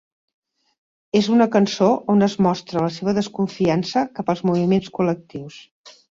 És una cançó on es mostra la seva desconfiança cap als moviments col·lectius.